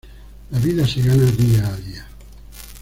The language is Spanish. La vida se gana día a día".